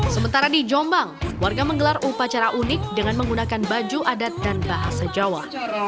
sementara di jombang warga menggelar upacara unik dengan menggunakan baju adat dan bahasa jawa